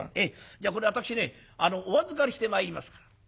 じゃあこれ私ねお預かりしてまいりますから」。